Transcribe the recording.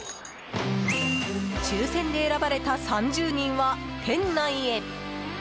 抽選で選ばれた３０人は店内へ。